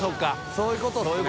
そういうことね。